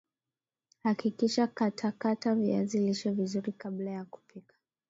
hakikisha katakata viazi lishe vizuri kabla ya kupika